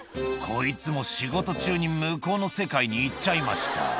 「こいつも仕事中に向こうの世界に行っちゃいました」